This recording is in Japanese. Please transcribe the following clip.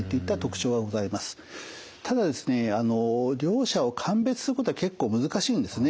ただですね両者を鑑別することは結構難しいんですね。